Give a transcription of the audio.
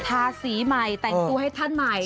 ทาสีใหม่แต่งตัวให้ท่านใหม่